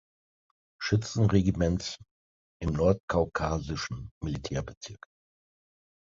Schützenregiments im Nordkaukasischen Militärbezirk.